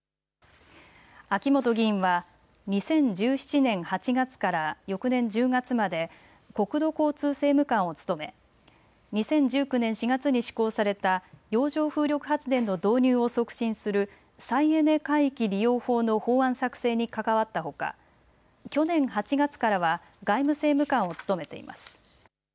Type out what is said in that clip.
秋本議員は２０１７年８月から翌年１０月まで国土交通政務官を務め２０１９年４月に施行された洋上風力発電の導入を促進する再エネ海域利用法の法案作成に関わったほか、去年８月からは外務政務官を務めています。